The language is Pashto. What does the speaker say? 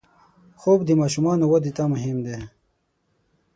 خوب د ماشومانو وده ته مهم دی